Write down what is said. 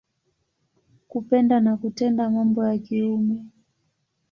Kupenda na kutenda mambo ya kiume.